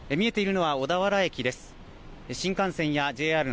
見えているのは小田原駅です。